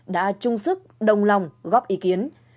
đã chung sức đồng lòng góp ý kiến